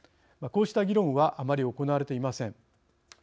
こうした議論はあまり行われていません。